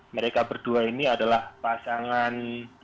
mereka berdua ini adalah pasangan